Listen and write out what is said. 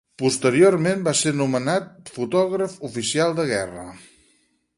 Posteriorment va ser nomenat fotògraf oficial de guerra.